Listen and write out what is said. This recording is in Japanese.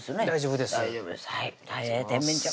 大丈夫ですよね？